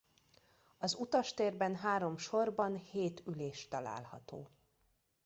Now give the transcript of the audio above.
Az utastérben három sorban hét ülés található.